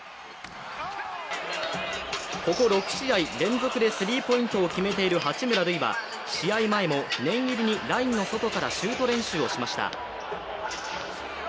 ここ６試合連続でスリーポイントを決めている八村塁は試合前も念入りにラインの外からシュート練習をしました。